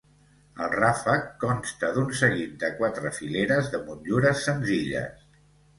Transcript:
El ràfec consta d'un seguit de quatre fileres de motllures senzilles.